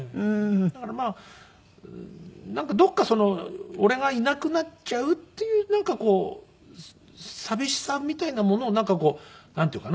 だからどこか俺がいなくなっちゃうっていうなんかこう寂しさみたいなものをなんかこうなんていうかな？